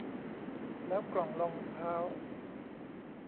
แล้วกล่องรองเท้า